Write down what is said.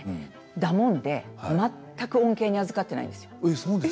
だもんで、全く恩恵に預かっていないんです。